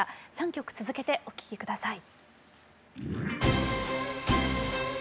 ３曲続けてお聴きください。